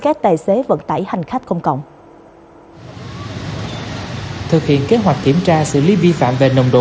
các tài xế vận tải hành khách công cộng thực hiện kế hoạch kiểm tra xử lý vi phạm về nồng độ